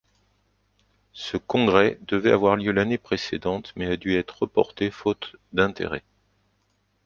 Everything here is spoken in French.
Ce congrès devait avoir lieu l'année précédente mais a dû être reporté faute d'intérêt.